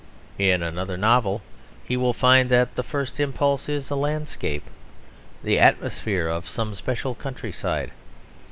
In another novel he will find that the first impulse is a landscape, the atmosphere of some special countryside.